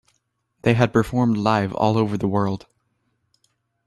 They have performed live all over the world.